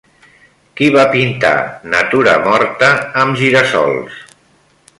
Qui va pintar Natura morta amb gira-sols?